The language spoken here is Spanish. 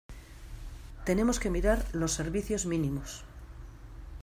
Tenemos que mirar los servicios mínimos.